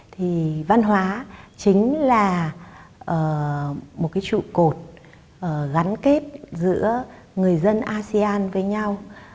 thì văn hóa chính là một cái trụ cột gắn kết giữa người dân asean với nhau